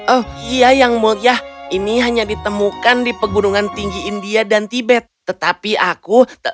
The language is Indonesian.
oh iya yang mulia ini hanya ditemukan di pegunungan tinggi india dan tibet tetapi aku